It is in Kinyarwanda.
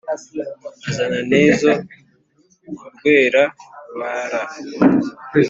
azana n’izo ku rwera-bara